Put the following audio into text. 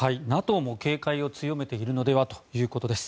ＮＡＴＯも警戒を強めているのではということです。